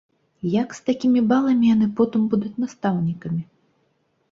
Як з такімі баламі яны потым будуць настаўнікамі?